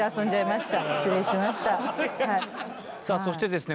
さあそしてですね